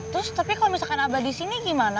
terus tapi kalau misalkan abah di sini gimana